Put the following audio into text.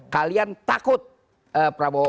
kalian takut prabowo